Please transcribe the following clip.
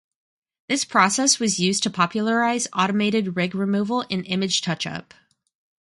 This process was used to popularize automated rig removal and image touch-up.